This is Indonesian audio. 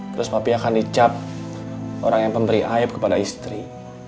terus papi akan dicap orang yang memberi ayub kepada istri